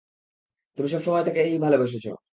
তুমি সবসময় তাকেই ভালোবেসেছ।